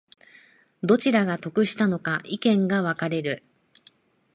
どちらが得したのか意見が分かれる